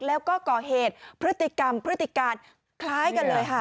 แล้วก็ก่อเหตุพฤติกรรมพฤติการคล้ายกันเลยค่ะ